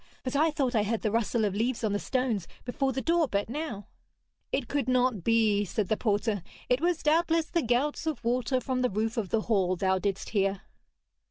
But I thought I heard the rustle of leaves on the stones before the door but now.' 'It could not be,' said the porter; 'it was doubtless the gouts of water from the roof of the hall thou didst hear.'